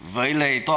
với lời tòa án